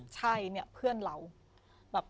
ใช่เนี่ยเพื่อนเราแบบ